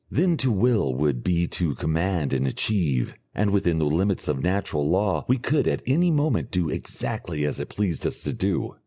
Then to will would be to command and achieve, and within the limits of natural law we could at any moment do exactly as it pleased us to do.